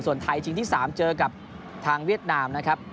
ส่วนไทยชิงที่๓เจอกับทางเวียดนามนะครับ